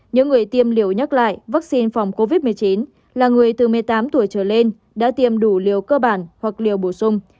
những người tiêm liều nhắc lại vaccine phòng covid một mươi chín là người từ một mươi tám tuổi trở lên đã tiêm đủ liều cơ bản hoặc liều bổ sung